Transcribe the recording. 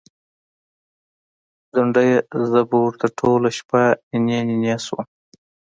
ځونډیه! زه به ورته ټوله شپه نینې نینې شوم